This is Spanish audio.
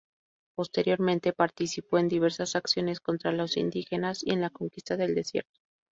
Posteriormente participó en diversas acciones contra los indígenas y en la Conquista del Desierto.